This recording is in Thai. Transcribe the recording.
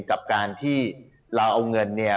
กับการที่เราเอาเงินเนี่ย